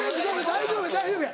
大丈夫大丈夫や。